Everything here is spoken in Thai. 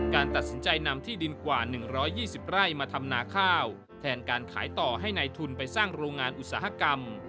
การตัดสินใจนำที่ดินกว่า๑๒๐ไร่มาทำนาข้าวแทนการขายต่อให้ในทุนไปสร้างโรงงานอุตสาหกรรม